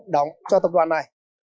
đóng cho tập đoàn này